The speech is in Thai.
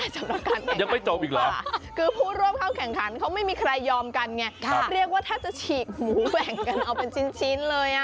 ใช่ค่ะแต่งานนี้ไม่มีหมูตัวไหนได้